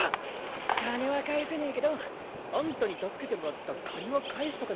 金は返せねえけどあんたに助けてもらった借りは返しとかね